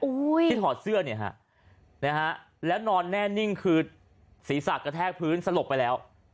ที่ถอดเสื้อเนี่ยฮะนะฮะแล้วนอนแน่นิ่งคือศีรษะกระแทกพื้นสลบไปแล้ว